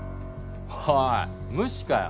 おい無視かよ？